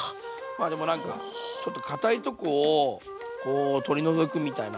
まあでもなんかちょっとかたいとこをこう取り除くみたいなイメージですかね。